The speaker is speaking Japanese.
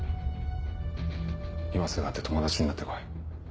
今すぐ会って友達になって来い。